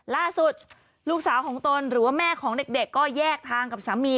ล่าสุดลูกสาวของตนหรือว่าแม่ของเด็กก็แยกทางกับสามี